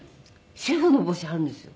シェフの帽子あるんですよ。